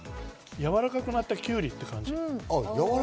やわらかくなったキュウリって感じ。